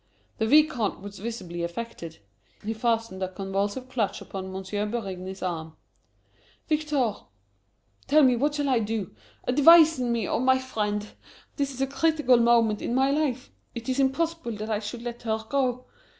The Vicomte was visibly affected. He fastened a convulsive clutch upon M. Berigny's arm. "Victor, tell me, what shall I do? Advise me, oh, my friend! This is a critical moment in my life! It is impossible that I should let her go.